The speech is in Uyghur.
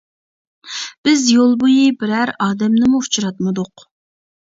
بىز يول بويى بىرەر ئادەمنىمۇ ئۇچراتمىدۇق.